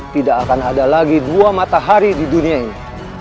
tidak akan ada lagi dua matahari di dunia ini